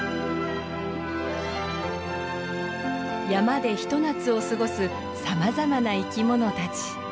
山でひと夏を過ごすさまざまな生き物たち。